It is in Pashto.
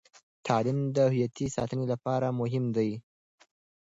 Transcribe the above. تعلیم د هویتي ساتنې لپاره مهم دی.